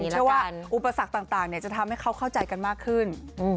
เชื่อว่าอุปสรรคต่างจะทำให้เขาเข้าใจกันมากขึ้น